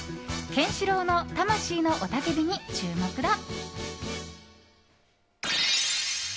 ケンシロウの魂の雄たけびに注目だ。